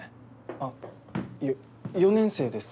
あっよ４年生です。